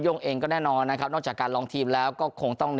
่งเองก็แน่นอนนะครับนอกจากการลองทีมแล้วก็คงต้อง